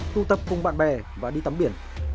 tư tập cùng bạn bè và đi tắm biển